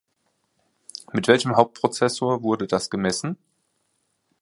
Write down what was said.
Mit welchem Hauptprozessor wurde das gemessen?